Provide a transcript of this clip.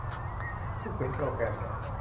ผู้เขียนโปรแกรม